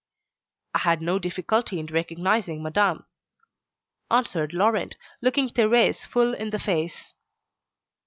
"I had no difficulty in recognising Madame," answered Laurent, looking Thérèse full in the face.